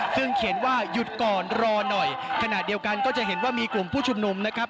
ซึ่งเขียนว่าหยุดก่อนรอหน่อยขณะเดียวกันก็จะเห็นว่ามีกลุ่มผู้ชุมนุมนะครับ